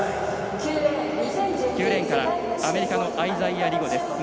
９レーンからアメリカのアイザイア・リゴです。